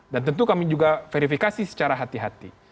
dan tentu kami juga verifikasi secara hati hati